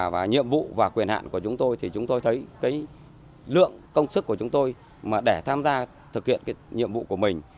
và nhiệm vụ và quyền hạn của chúng tôi thì chúng tôi thấy lượng công sức của chúng tôi để tham gia thực hiện nhiệm vụ của mình